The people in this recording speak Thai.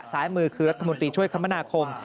ซ้ายมือคือรัฐมนตรีช่วยคมนาคม